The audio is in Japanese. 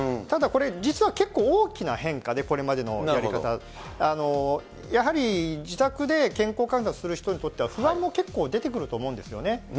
ただ、これ、実は結構大きな変化で、これまでのやり方、やはり自宅で健康観察する人にとっては、不安も結構出てくると思うんですよね。